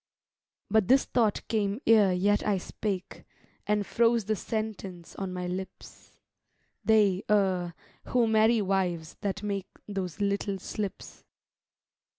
But this thought came ere yet I spake, And froze the sentence on my lips: "They err, who marry wives that make Those little slips."